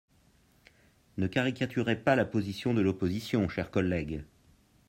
Ne caricaturez pas la position de l’opposition, chère collègue.